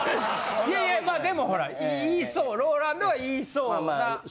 いやいやでもほら言いそうＲＯＬＡＮＤは言いそうな。